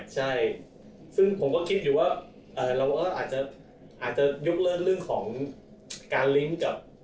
ใช่ซึ่งผมก็คิดอยู่ว่าเราก็อาจจะยกเลิกเรื่องของการลิงก์กับ